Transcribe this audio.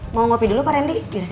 mau ngopi dulu pak randy